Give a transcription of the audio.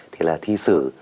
thì là thi sự